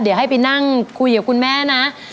เดี๋ยวให้ไปนั่งคุยกับคุณแม่นะ